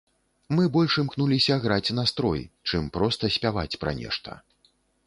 Мы больш імкнуліся граць настрой, чым проста спяваць пра нешта.